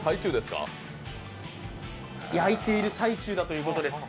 焼いている最中だということです。